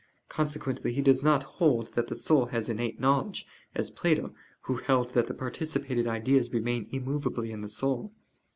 Consequently he does not hold that the soul has innate knowledge, as Plato, who held that the participated ideas remain immovably in the soul.